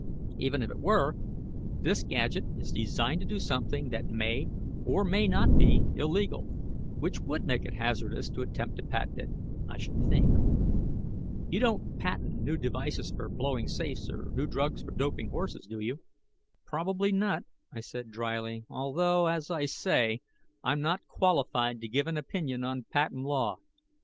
Even if it were, this gadget is designed to do something that may or may not be illegal, which would make it hazardous to attempt to patent it, I should think. You don't patent new devices for blowing safes or new drugs for doping horses, do you?" "Probably not," I said dryly, "although, as I say, I'm not qualified to give an opinion on patent law.